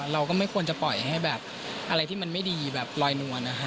เราก็ไม่ควรจะปล่อยให้แบบอะไรที่มันไม่ดีแบบลอยนวลนะฮะ